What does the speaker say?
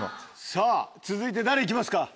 さぁ続いて誰行きますか？